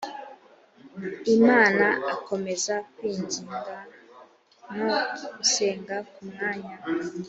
imana akomeza kwinginga no gusenga ku manywa